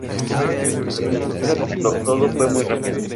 Su hija comentó: todo esto fue muy rápido.